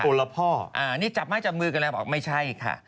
ตัวละพ่ออ่านี่จับมาจากมือกันแล้วบอกไม่ใช่ค่ะ